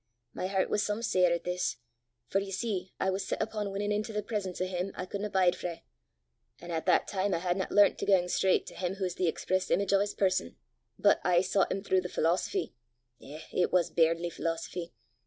My hert was some sair at this, for ye see I was set upo' winnin' intil the presence o' him I couldna bide frae, an' at that time I hadna learnt to gang straucht to him wha's the express image o' 's person, but, aye soucht him throuw the philosophy eh, but it was bairnly philosophy!